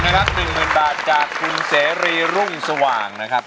๑๐๐๐บาทจากคุณเสรีรุ่งสว่างนะครับ